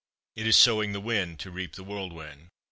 It is sowing the wind to reap the whirlwind."